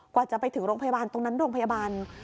กว่าจะไปถึงโรงพยาบาลตรงนั้นโรงพยาบาล